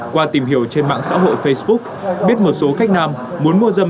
qua tìm hiểu trên mạng xã hội facebook biết một số khách nam muốn mua dâm